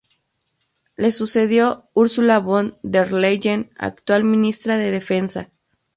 Le sucedió Ursula von der Leyen, actual Ministra de Defensa.